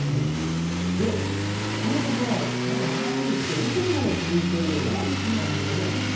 で、このところ、なんか真夏日って遅くまで続いているような感じがね。